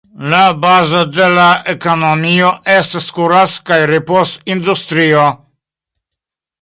La bazo de la ekonomio estas kurac- kaj ripoz-industrio.